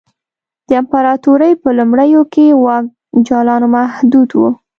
د امپراتورۍ په لومړیو کې واک جالانو محدود و